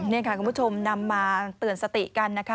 นี่ค่ะคุณผู้ชมนำมาเตือนสติกันนะคะ